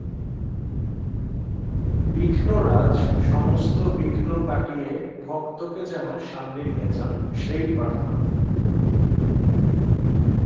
বিঘ্নরাজ সমস্ত বিঘ্ন কাটিয়ে ভক্তকে যেন সামনে নিয়ে যান সেই প্রার্থনা।